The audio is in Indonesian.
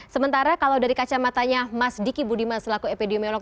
sementara kalau dari kacamatanya mas diki budiman selaku epidemiolog